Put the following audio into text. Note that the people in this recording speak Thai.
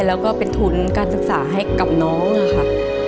แล้วก็เป็นทุนการศึกษาให้กับน้องค่ะ